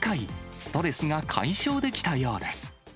ストレスが解消できたようです。